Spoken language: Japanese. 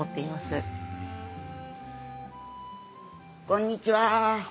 こんにちは。